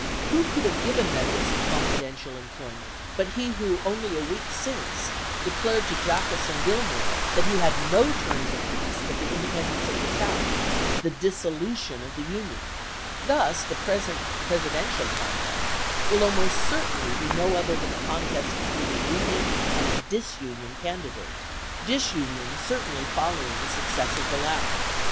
Who could have given them this confidential em ployment, but he who, only a week since, declared to Jaquess and Gilmore, that he had no terms of peace but the independence of the South — the dis solution of the Union. Thus, the present Presiden tial contest will almost certainly be no other than a contest between a union and a disunion candi date, disunion certainly following the success of 214 ABKAHAM LINCOLN chap. ix. the latter.